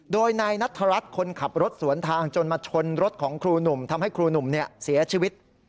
โดยนายนัทรัฐคนขับรถสวนทางจนมาชนรถของครูหนุ่มทำให้ครูหนุ่มเสียชีวิต